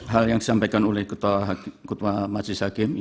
hal yang disampaikan oleh ketua majelis hakim